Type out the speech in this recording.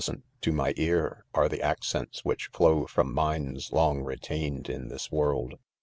pl^^t to my ear, aire' the' i£ccents ; which flow from' minds long retained ft' thikr world.